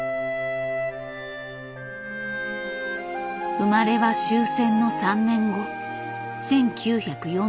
生まれは終戦の３年後１９４８年。